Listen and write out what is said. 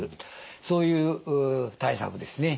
そういう対策ですね。